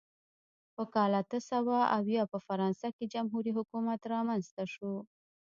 په کال اته سوه اویا په فرانسه کې جمهوري حکومت رامنځته شو.